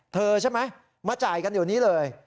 ใช่ไหมมาจ่ายกันเดี๋ยวนี้เลย